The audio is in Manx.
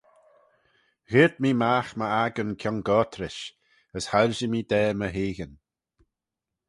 Gheayrt mee magh my accan kiongoyrt rish: as hoilshee mee da my heaghyn.